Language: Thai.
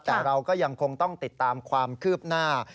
แต่เราก็ยังคงต้องติดตามความคืบหน้า